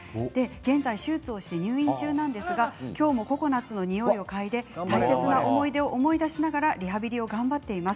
現在、手術をして入院中なんですが今日もココナツの匂いを嗅いで大切な思い出を思い出しながらリハビリを頑張っています。